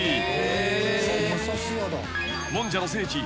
［もんじゃの聖地